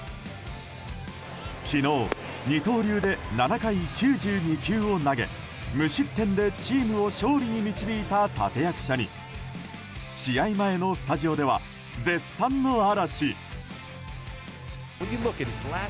昨日、二刀流で７回９２球を投げ無失点でチームを勝利に導いた立役者に試合前のスタジオでは絶賛の嵐。